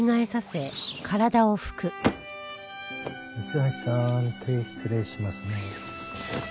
三橋さん手失礼しますね。